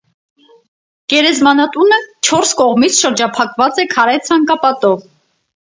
Գերեզմանատունը չորս կողմից շրջափակված է քարե ցանկապատով։